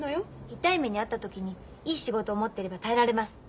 痛い目に遭った時にいい仕事を持っていれば耐えられます。